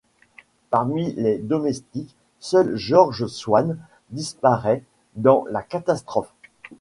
Parmi les domestiques, seul George Swane disparaît dans la catastrophe.